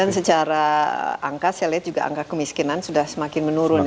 dan secara angka saya lihat juga angka kemiskinan sudah semakin menurun ya